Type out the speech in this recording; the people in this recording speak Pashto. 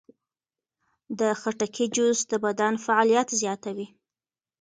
د خټکي جوس د بدن فعالیت زیاتوي.